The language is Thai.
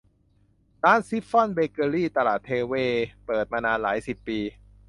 ร้านชิฟฟ่อนเบเกอรี่ ตลาดเทเวศร์ เปิดมานานหลายสิบปี